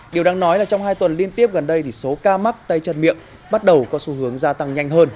điều đáng nói là trong hai tuần liên tiếp gần đây thì số ca mắc tay chân miệng bắt đầu có xu hướng gia tăng nhanh hơn